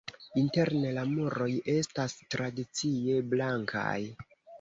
Interne la muroj estas tradicie blankaj.